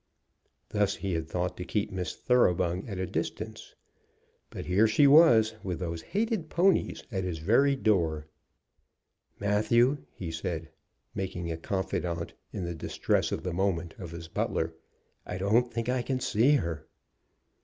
Thus he had thought to keep Miss Thoroughbung at a distance; but here she was with those hated ponies at his very door. "Matthew," he said, making a confidant, in the distress of the moment of his butler, "I don't think I can see her."